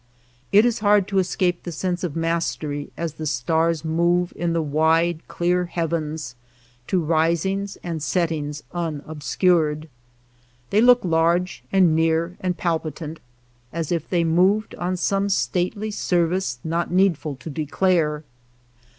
It is hard to escape the sense of mastery as the stars move in the wide clear heavens to risings and settings unobscured. They look large and near and palpitant ; as if they moved on some stately service not needful to de clare.